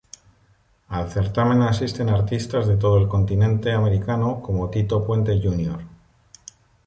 Al certamen asisten artistas de todo el continente americano como Tito Puente Jr.